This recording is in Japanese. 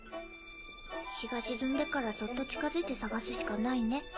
日が沈んでからそっと近づいて捜すしかないね。